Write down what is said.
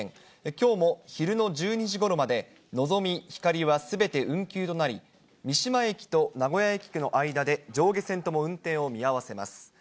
きょうも昼の１２時ごろまで、のぞみ、ひかりはすべて運休となり、三島駅と名古屋駅の間で上下線とも運転を見合わせます。